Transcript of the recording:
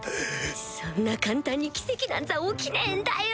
そんな簡単に奇跡なんざ起きねえんだよ！